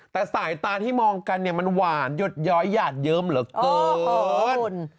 แต่สายตาที่มองกันเนี่ยมันหวานหยดย้อยหยาดเยิ้มเหลือเกิน